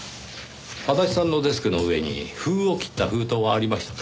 足立さんのデスクの上に封を切った封筒はありましたか？